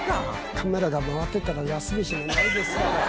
カメラが回ってたら休む暇ないですから。